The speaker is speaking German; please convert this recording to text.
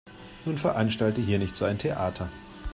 Nun veranstalte hier nicht so ein Theater.